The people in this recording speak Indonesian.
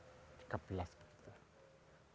nah dari situ kemudian dia di dalam para raton disebutkan